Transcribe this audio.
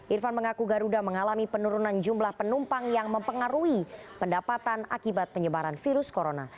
irfan mengaku garuda mengalami penurunan jumlah penumpang yang mempengaruhi pendapatan akibat penyebaran virus corona